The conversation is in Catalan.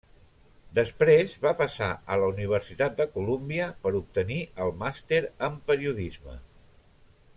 Després va passar a la Universitat de Colúmbia per obtenir el màster en Periodisme.